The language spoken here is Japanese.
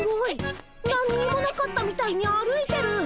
何にもなかったみたいに歩いてる！